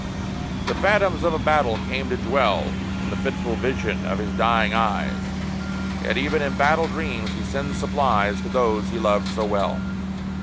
The phantoms of a battle came to dwell I' the fitful vision of his dying eyes Yet even in battle dreams, he sends supplies To those he loved so well.